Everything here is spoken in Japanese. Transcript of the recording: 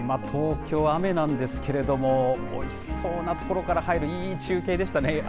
東京、雨なんですけれども、おいしそうなところから入るいい中継でしたね。